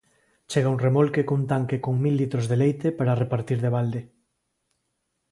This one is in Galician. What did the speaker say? Chega un remolque cun tanque con mil litros de leite para repartir de balde.